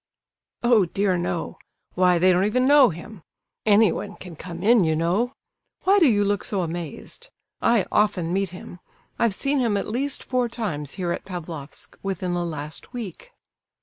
"Oh, dear, no! Why, they don't even know him! Anyone can come in, you know. Why do you look so amazed? I often meet him; I've seen him at least four times, here at Pavlofsk, within the last week."